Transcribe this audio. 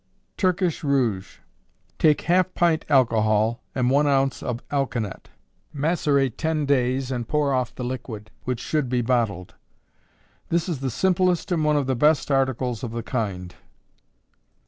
Turkish Rouge. Take half pint alcohol and one ounce of alkanet; macerate ten days and pour off the liquid, which should be bottled. This is the simplest and one of the best articles of the kind.